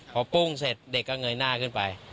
พอปุ้งเสร็จเด็กก็เงยหน้าขึ้นไป